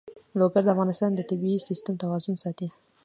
لوگر د افغانستان د طبعي سیسټم توازن ساتي.